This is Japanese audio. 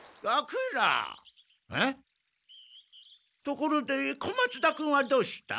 ところで小松田君はどうした？